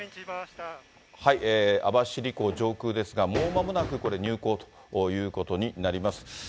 網走港上空ですが、もうまもなく、入港ということになります。